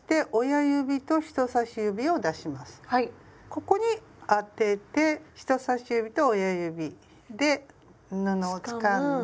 ここに当てて人さし指と親指で布をつかんで。